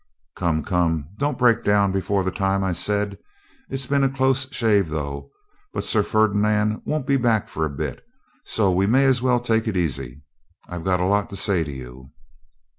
'Come, come, don't break down before the time,' I said. 'It's been a close shave, though; but Sir Ferdinand won't be back for a bit, so we may as well take it easy. I've got a lot to say to you.'